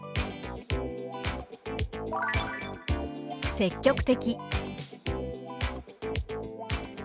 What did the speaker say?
「積極的」。